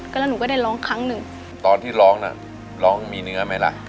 ก็แล้วหนูก็ได้ร้องครั้งหนึ่งตอนที่ร้องน่ะร้องมีเนื้อไหมล่ะ